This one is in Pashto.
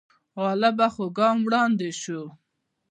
غالبه خوا ګام وړاندې شو